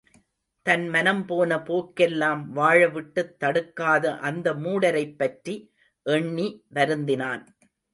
தன் மனம்போன போக்கெல்லாம் வாழவிட்டுத் தடுக்காத அந்த மூடரைப்பற்றி எண்ணி வருந்தினான்.